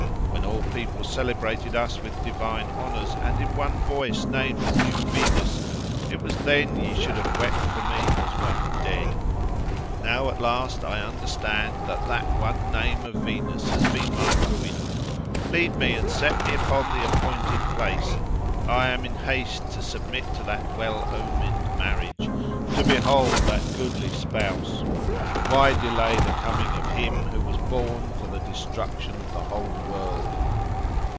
When all people celebrated us with divine honours, and in one voice named the New Venus, it was then ye should have wept for me as one dead. Now at last I understand that that one name of Venus has been my ruin. Lead me and set me upon the appointed place. I am in haste to submit to that well omened marriage, to behold that goodly spouse. Why delay the coming of him who was born for the destruction of the whole world?"